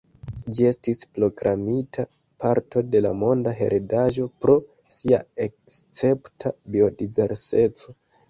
Ĝi estis proklamita parto de la monda heredaĵo pro sia escepta biodiverseco.